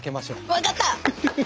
わかった！